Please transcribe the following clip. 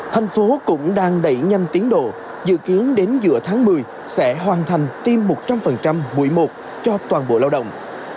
thành phố cũng đang đẩy nhanh tiến độ dự kiến đến giữa tháng một mươi sẽ hoàn thành tiêm một trăm linh quỹ một cho toàn bộ lao động